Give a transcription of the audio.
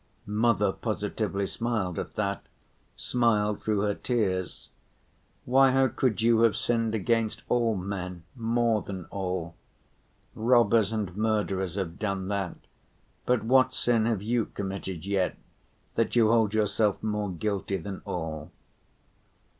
Mother positively smiled at that, smiled through her tears. "Why, how could you have sinned against all men, more than all? Robbers and murderers have done that, but what sin have you committed yet, that you hold yourself more guilty than all?"